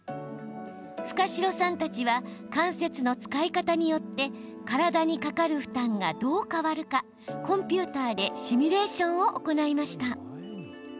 深代さんたちは関節の使い方によって体にかかる負担がどう変わるかコンピューターでシミュレーションを行いました。